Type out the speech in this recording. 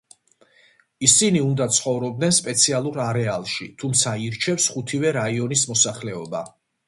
ისინი უნდა ცხოვრობდნენ სპეციალურ არეალებში, თუმცა ირჩევს ხუთივე რაიონის მოსახლეობა.